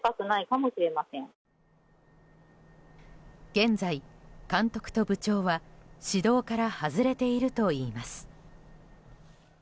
現在、監督と部長は指導から外れているといいます。